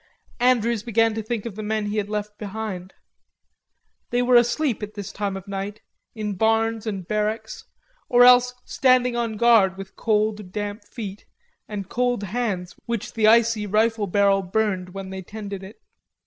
Andrews began to think of the men he had left behind. They were asleep at this time of night, in barns and barracks, or else standing on guard with cold damp feet, and cold hands which the icy rifle barrel burned when they tended it.